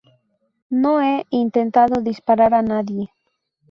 No he intentado disparar a nadie.